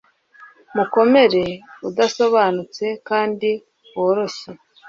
Mukomere udasobanutse kandi woroshye